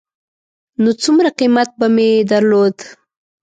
نو څومره قېمت به مې درلود.